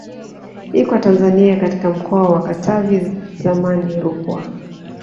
Iko Tanzania katika mkoa wa Katavi zamani Rukwa